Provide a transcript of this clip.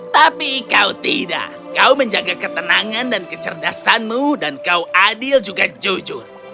tapi kau tidak kau menjaga ketenangan dan kecerdasanmu dan kau adil juga jujur